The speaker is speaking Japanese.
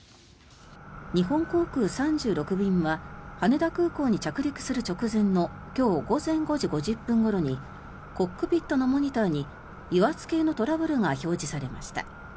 日本航空３６便は羽田空港に着陸する直前の今日午前５時５０分ごろにコックピットのモニターに油圧系のトラブルが表示されました。